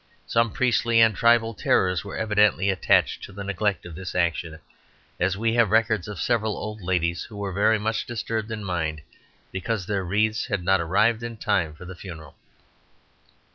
Some priestly and tribal terrors were evidently attached to the neglect of this action, as we have records of several old ladies who were very much disturbed in mind because their wreaths had not arrived in time for the funeral."